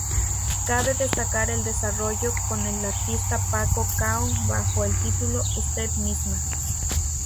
Cabe destacar el desarrollado con el artista Paco Cao bajo el título "Usted misma".